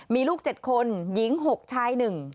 มีลูก๗คนหญิง๖ชาย๑